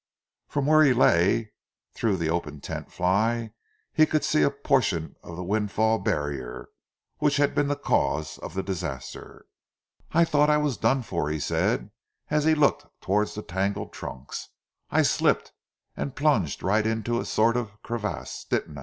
From where he lay, through the open tent fly, he could see a portion of the windfall barrier which had been the cause of the disaster. "I thought I was done for," he said as he looked towards the tangled trunks. "I slipped and plunged right into a sort of crevasse, didn't I?"